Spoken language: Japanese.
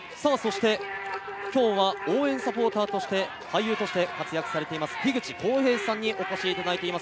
今日は応援サポーターとして、俳優として活躍している樋口幸平さんにお越しいただいています。